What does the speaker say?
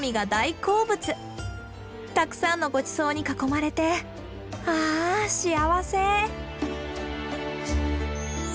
たくさんのごちそうに囲まれてああ幸せ！